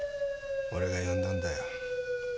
俺が呼んだんだよ。